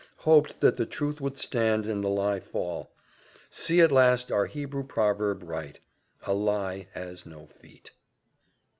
hoped that the truth would stand, and the lie fall. See at last our Hebrew proverb right '_A lie has no feet.